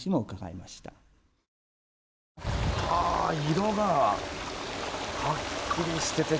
色がはっきりしていて